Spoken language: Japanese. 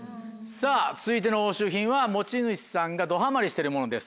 さぁ続いての押収品は持ち主さんがどハマりしてるものです。